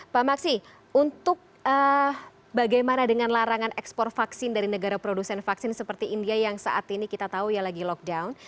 pak maksi untuk bagaimana dengan larangan ekspor vaksin dari negara produsen vaksin seperti india yang saat ini kita tahu ya lagi lockdown